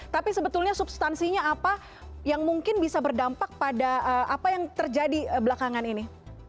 tapi sebetulnya substansinya apa yang mungkin bisa berdampak pada apa yang terjadi belakangan ini